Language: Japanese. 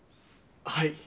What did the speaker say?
はい。